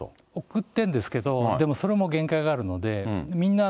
送ってるんですけど、でもそれも限界があるので、みんな、